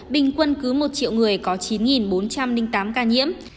bình quân cứ một triệu người có chín bốn trăm linh tám ca nhiễm